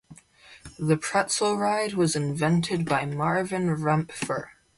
The pretzel ride was invented by Marvin Rempfer.